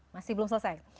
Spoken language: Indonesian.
masih belum selesai